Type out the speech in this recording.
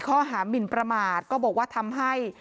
หมินประมาทก็บอกว่าทำให้